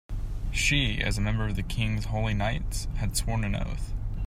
She, as a member of the king's holy knights, had sworn an oath.